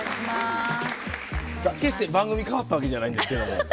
決して番組変わったわけじゃないんですけども。